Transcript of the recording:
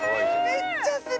めっちゃする！